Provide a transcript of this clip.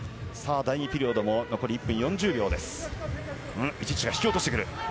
第２ピリオド、残り１分４０秒です。